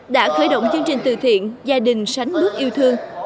đã khởi động chương trình từ thiện gia đình sánh bước yêu thương